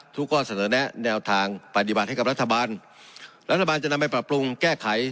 ข้อเสนอแนะแนวทางปฏิบัติให้กับรัฐบาลรัฐบาลจะนำไปปรับปรุงแก้ไข